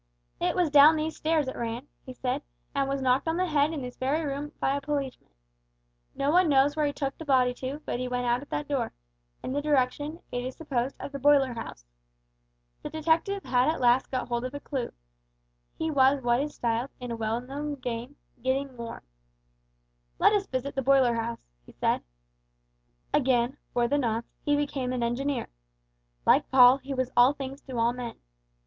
"It was down these stairs it ran," he said, "and was knocked on the head in this very room by the policeman. No one knows where he took the body to, but he went out at that door, in the direction, it is supposed, of the boiler house." The detective had at last got hold of a clew. He was what is styled, in a well known game, "getting warm." "Let us visit the boiler house," he said. Again, for the nonce, he became an engineer. Like Paul, he was all things to all men.